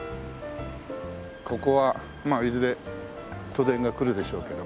ここはまあいずれ都電が来るでしょうけどもうん。